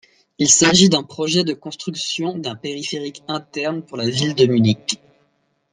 Il s'agit d'un projet de construction d'un périphérique interne pour la ville de Munich.